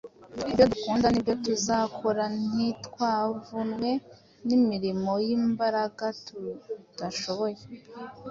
ibyo dukunda n’ibyo tuzakora. Ntitwavunwe n’imirimo y’imbaraga tudashoboye,